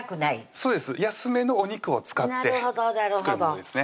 そうです安めのお肉を使って作るんですね